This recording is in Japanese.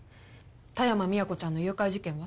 田山宮子ちゃんの誘拐事件は？